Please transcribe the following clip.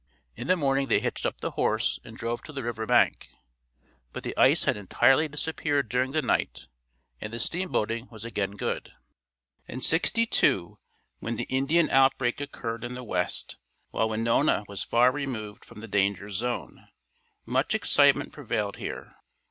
In the morning they hitched up the horse and drove to the river bank, but the ice had entirely disappeared during the night and the steamboating was again good. In '62 when the Indian outbreak occurred in the west, while Winona was far removed from the danger zone, much excitement prevailed here.